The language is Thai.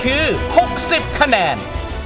คือ๖๐คะแนน